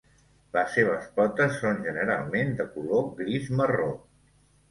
Les seves potes són generalment de color gris-marró.